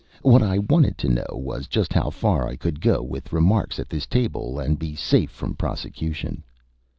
What I wanted to know was just how far I could go with remarks at this table and be safe from prosecution."